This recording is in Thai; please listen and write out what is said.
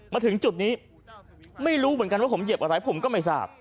มาถึงจุดนี้ไม่รู้เหมือนกันว่าผมเหยียบอะไรผมก็ไม่ทราบ